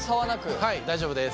はい大丈夫です。